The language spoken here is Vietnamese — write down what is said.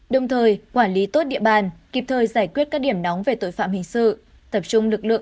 đồng thời quản lý tốt địa bàn kịp thời giải quyết các điểm nóng về tội phạm hình sự